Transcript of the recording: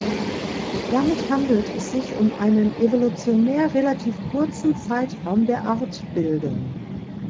Damit handelt es sich um einen evolutionär relativ kurzen Zeitraum der Artbildung.